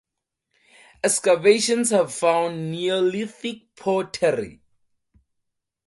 Excavations have found neolithic pottery.